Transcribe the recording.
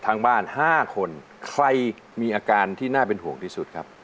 ทั้งบ้าน๕คนใครมีอาการที่น่าเป็นห่วงที่สุดครับ